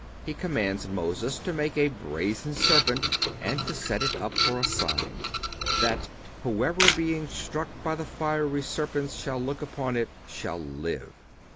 8) He commands Moses to make a brazen serpent, and to set it up for a sign, that "whosoever being struck by the fiery serpents shall look upon it, shall live."